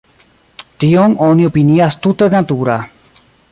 Tion oni opinias tute natura.